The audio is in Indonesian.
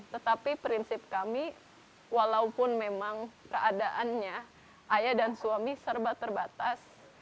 tetapi prinsip kami walaupun memang keadaannya ayah dan suami serba terbatas